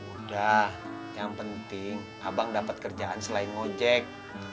udah yang penting abang dapat kerjaan selain ojek